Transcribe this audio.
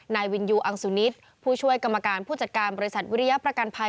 นายวินยูอังสุนิทผู้ช่วยกรรมการผู้จัดการบริษัทวิริยประกันภัย